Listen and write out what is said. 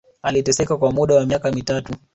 Aliteseka kwa muda wa miaka mitatu